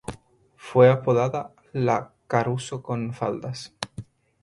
Fue apodada la "Caruso con faldas".